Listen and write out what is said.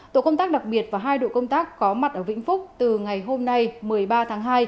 tổ công tác đặc biệt và hai đội công tác có mặt ở vĩnh phúc từ ngày hôm nay một mươi ba tháng hai